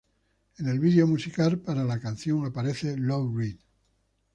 En el video musical para la canción aparece Lou Reed.